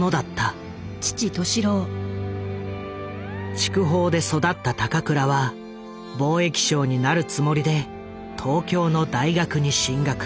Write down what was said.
筑豊で育った高倉は貿易商になるつもりで東京の大学に進学。